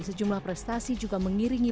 sejumlah prestasi juga mengiringi